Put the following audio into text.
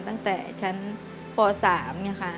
ตั้งแต่ชั้นป๓ค่ะ